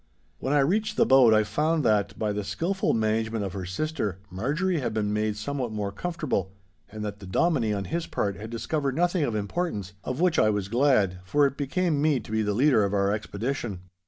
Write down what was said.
When I reached the boat I found that, by the skilful management of her sister, Marjorie had been made somewhat more comfortable, and that the Dominie on his part had discovered nothing of importance, of which I was glad, for it became me to be the leader of our expedition.